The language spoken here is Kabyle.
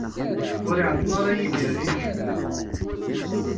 Ur iɛeṭṭel ara Yidir di tejmaɛt.